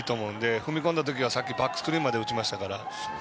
踏み込んだ時はバックスクリーンまで行きましたから。